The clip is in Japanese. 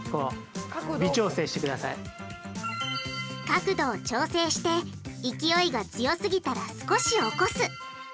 角度を調整して勢いが強すぎたら少し起こす。